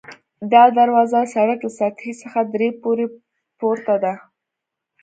دا دروازه د سړک له سطحې څخه درې پوړۍ پورته ده.